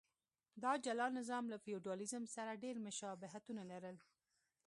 دا جلا نظام له فیوډالېزم سره ډېر مشابهتونه لرل.